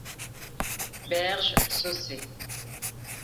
Berges, saussaies.